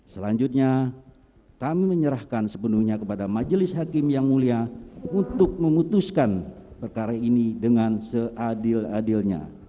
selanjutnya kami menyerahkan sepenuhnya kepada majelis hakim yang mulia untuk memutuskan perkara ini dengan seadil adilnya